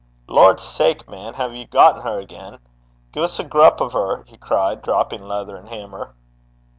'Lordsake, man! hae ye gotten her again? Gie's a grup o' her!' he cried, dropping leather and hammer.